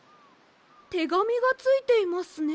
てがみがついていますね。